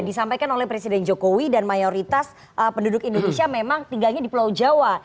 disampaikan oleh presiden jokowi dan mayoritas penduduk indonesia memang tinggalnya di pulau jawa